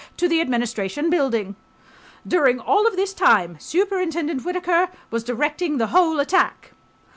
. to the Administration Building. During all of this time, ... Superintendent Whittaker was ... directing the whole attack.